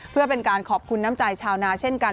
เพื่อเป็นการขอบคุณน้ำใจชาวนาเช่นกัน